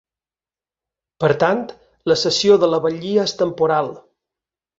Per tant, la cessió de la batllia és ‘temporal’.